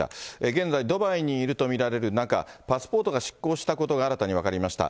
現在、ドバイにいると見られる中、パスポートが失効したことが新たに分かりました。